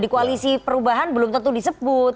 di koalisi perubahan belum tentu disebut